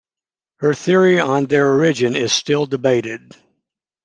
Her theory on their origin is still debated.